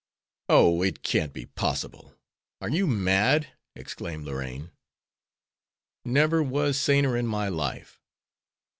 "Oh, it can't be possible! Are you mad?" exclaimed Lorraine. "Never was saner in my life."